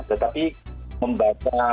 tetapi membaca persoalan